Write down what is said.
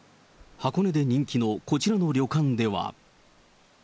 箱根で人気のこちらの旅館では。